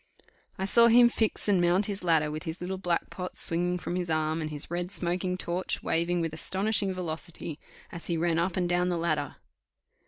I saw him fix and mount his ladder with his little black pot swinging from his arm, and his red smoking torch waving with astonishing velocity, as he ran up and down the ladder.